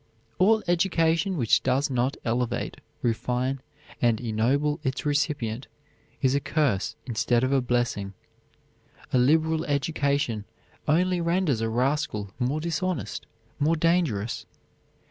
All education which does not elevate, refine, and ennoble its recipient is a curse instead of a blessing. A liberal education only renders a rascal more dishonest, more dangerous.